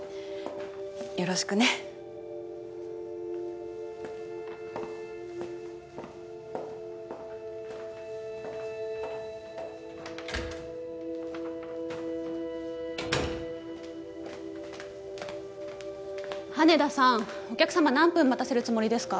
よろしくね羽田さんお客様何分待たせるつもりですか？